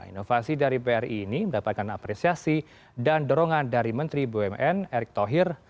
inovasi dari bri ini mendapatkan apresiasi dan dorongan dari menteri bumn erick thohir